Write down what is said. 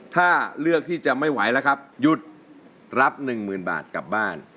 ถ้าเลือกที่จะไม่ไหวแล้วครับหยุดรับ๑๐๐๐บาทกลับบ้าน